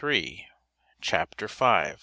CHAPTER V.